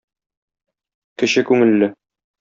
Кече күңелле.